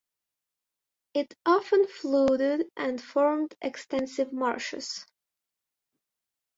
It often flooded and formed extensive marshes.